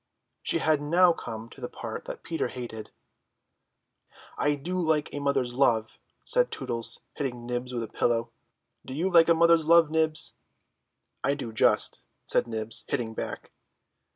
She had now come to the part that Peter hated. "I do like a mother's love," said Tootles, hitting Nibs with a pillow. "Do you like a mother's love, Nibs?" "I do just," said Nibs, hitting back.